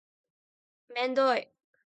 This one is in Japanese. めんどい